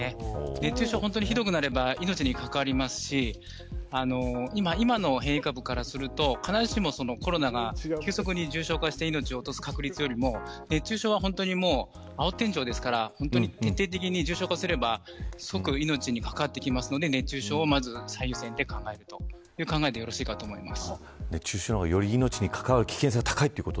熱中症はひどくなれば命に関わりますし今の変異株からすると必ずしもコロナが急速に重症化して命を落とす確率よりも熱中症は青天井ですから重症化すればそく命に関わってくるので熱中症をまず最優先に考えることでいいと思います。